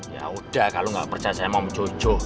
yaudah kalau gak percaya sama om jojo